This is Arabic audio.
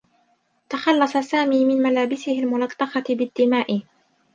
تخلّص سامي من ملابسه الملطّخة بالدّماء.